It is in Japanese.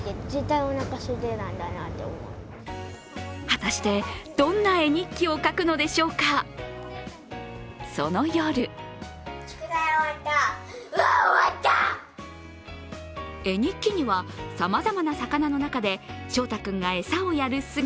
果たして、どんな絵日記を書くのでしょうか、その夜絵日記には、さまざまな魚の中で、翔太君が餌をやる姿